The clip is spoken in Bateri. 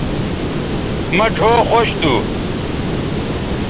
مہ ڙھؤ خوش تھو